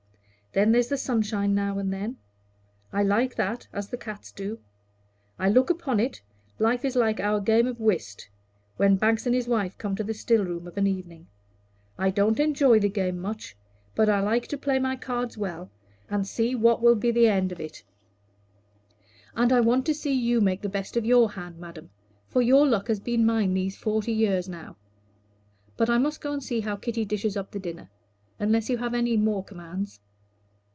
Then there's the sunshine now and then; I like that as the cats do. I look upon it, life is like our game at whist, when Banks and his wife come to the still room of an evening. I don't enjoy the game much, but I like to play my cards well, and see what will be the end of it; and I want to see you make the best of your hand, madam, for your luck has been mine these forty years now. But I must go and see how Kitty dishes up the dinner, unless you have any more commands."